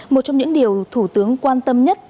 một trong những điều thủ tướng quan tâm nhất